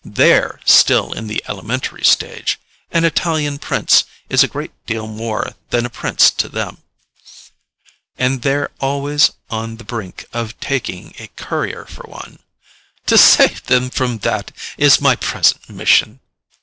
THEY'RE still in the elementary stage; an Italian Prince is a great deal more than a Prince to them, and they're always on the brink of taking a courier for one. To save them from that is my present mission."